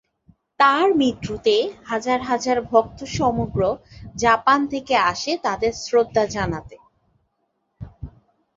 তার মৃত্যুতে হাজার হাজার ভক্ত সমগ্র জাপান থেকে আসে তাদের শ্রদ্ধা জানাতে।